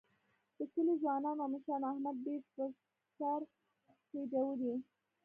د کلي ځوانانو او مشرانو احمد ډېر په سر خېجولی